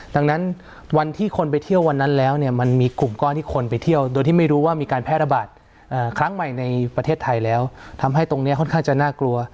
ดังนั้นวันที่คนไปเที่ยววันนั้นแล้วเนี่ยมันมีกลุ่มก้อนที่คนไปเที่ยวโดยที่ไม่รู้ว่ามีการแพร่ระบาดครั้งใหม่ในประเทศไทยแล้วทำให้ตรงนี้ค่อนข้างจะน่ากลัว